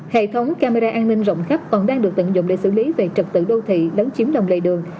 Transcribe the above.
hệ thống camera an ninh rộng khắp còn đang được tận dụng để xử lý về trật tự đô thị lấn chiếm lòng lề đường